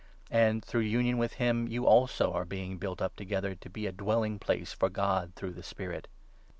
And, through union in him, you also are 22 being built up together, to be a dwelling place for God through the Spirit.